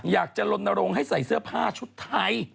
อยากจะลนรงค์ให้ใส่เสื้อผ้าชุดไทย